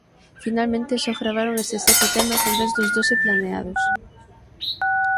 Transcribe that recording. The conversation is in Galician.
Finalmente só gravaron eses sete temas en vez dos doce planeados.